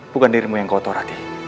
bukan dirimu yang kotor aja